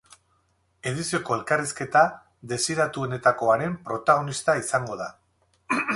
Edizioko elkarrizketa desiratuenetakoaren protagonista izango da.